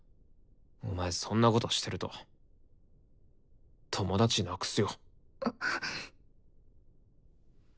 お前そんなことしてると友達なくすよ。